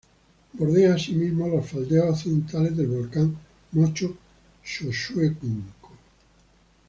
Bordea así mismo los faldeos occidentales del volcán Mocho-Choshuenco.